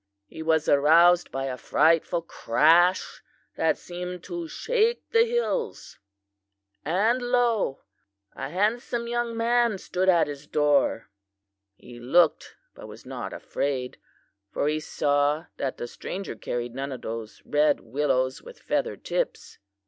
He was aroused by a frightful crash that seemed to shake the hills; and lo! a handsome young man stood at his door. He looked, but was not afraid, for he saw that the stranger carried none of those red willows with feathered tips.